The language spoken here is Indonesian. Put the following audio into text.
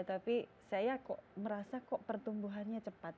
tapi saya kok merasa kok pertumbuhannya cepat